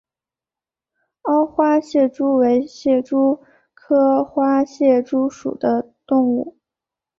凹花蟹蛛为蟹蛛科花蟹蛛属的动物。